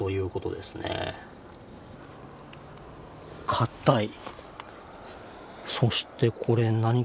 硬い。